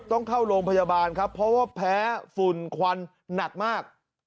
ต้องเข้าโรงพยาบาลครับเพราะว่าแพ้ฝุ่นควันหนักมาก